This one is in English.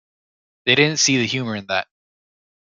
They didn't see the humor in that.